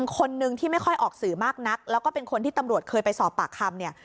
คนนึงที่ไม่ค่อยออกสื่อมากนักแล้วก็เป็นคนที่ตำรวจเคยไปสอบปากคำเนี่ย